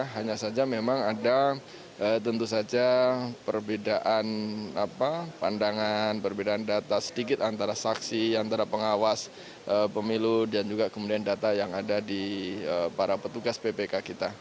hanya saja memang ada tentu saja perbedaan pandangan perbedaan data sedikit antara saksi antara pengawas pemilu dan juga kemudian data yang ada di para petugas ppk kita